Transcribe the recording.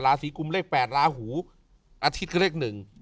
ราศีกุมเลข๘ลาหูอาทิตย์คือเลข๑